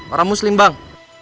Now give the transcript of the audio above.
orang muslim bang